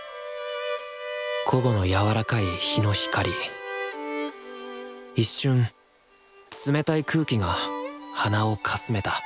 午後のやわらかい日の光一瞬冷たい空気が鼻をかすめた。